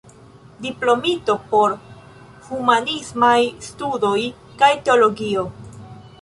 Diplomito pri Humanismaj Studoj kaj Teologio.